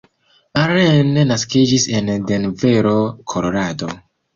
Allen naskiĝis en Denvero, Kolorado.